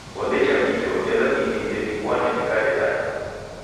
Odecha icho, ela ini ndedikwane dikadedanya